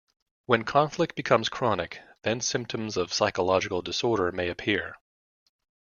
When conflict becomes chronic, then symptoms of psychological disorder may appear.